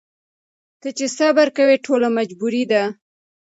ته چي صبر کوې ټوله مجبوري ده